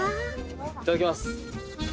いただきます。